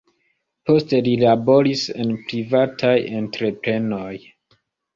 Poste li laboris en privataj entreprenoj.